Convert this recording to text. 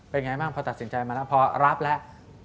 เป็นไงบ้างพอตัดสินใจมาแล้วพอรับแล้ว